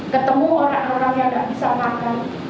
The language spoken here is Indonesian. ketemu orang orang yang tidak bisa makan